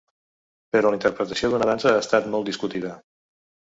Però la interpretació d'una dansa ha estat molt discutida.